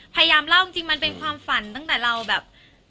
พยายามเล่าจริงมันเป็นความฝันตั้งแต่เราแบบ